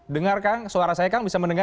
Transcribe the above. dengar kang suara saya kang bisa mendengar